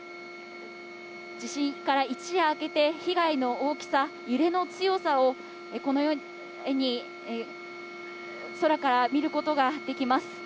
地震から一夜明けて被害の大きさ、揺れの強さをこのように空から見ることができます。